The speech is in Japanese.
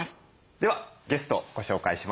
ではゲストご紹介しましょう。